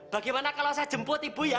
bagaimana kalau saya jemput ibu ya